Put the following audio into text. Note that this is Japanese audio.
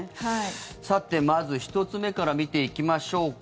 まず、１つ目から見ていきましょうか。